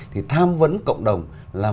thì tham vấn cộng đồng là